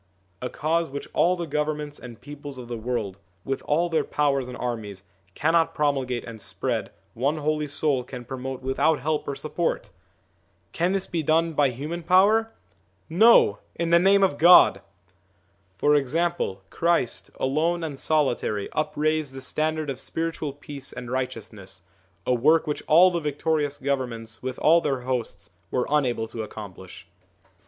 A Cause which all the governments and peoples of the world, with all their powers and armies, cannot promulgate and spread, one Holy Soul can promote without help or support ! Can this be done by human 12 SOME ANSWERED QUESTIONS power? No, in the name of God! For example, Christ, alone and solitary, upraised the standard of spiritual peace and righteousness, a work which all the victorious governments with all their hosts were unable to accomplish.